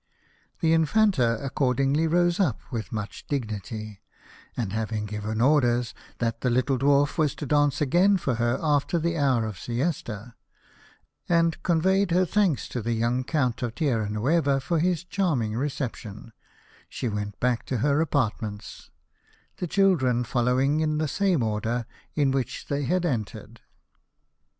The Infanta accordingly rose up with much dignity, and having given orders that the little dwarf was to dance again for her after the hour of siesta, and conveyed her thanks to the young Count of Tierra Nueva for his charming reception, she went back to her apartments, the children following in the same order in which they had entered.